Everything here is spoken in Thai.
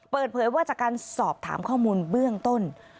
เปิดเผยว่าจากการสอบถามข้อมูลเบื้องต้น